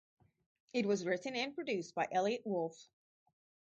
It was written and produced by Elliot Wolff.